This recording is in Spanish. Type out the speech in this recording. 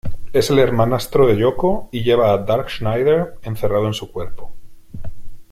Es el hermanastro de Yoko y lleva a Dark Schneider encerrado en su cuerpo.